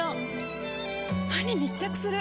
歯に密着する！